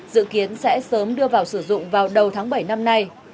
dự kiến sẽ sớm đưa vào sử dụng vào đầu tháng bảy năm nay